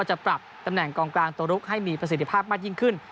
จะปรับตำแหน่งกองกลางตัวลุกให้มีประสิทธิภาพมากยิ่งขึ้น